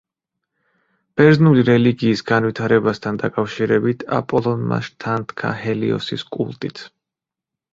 ბერძნული რელიგიის განვითარებასთან დაკავშირებით აპოლონმა შთანთქა ჰელიოსის კულტიც.